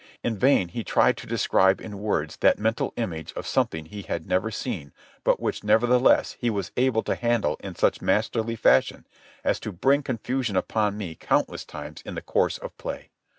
In vain he tried to describe in words that mental image of something he had never seen but which nevertheless he was able to handle in such masterly fashion as to bring confusion upon me countless times in the course of play.